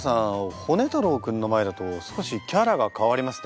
ホネ太郎君の前だと少しキャラが変わりますね。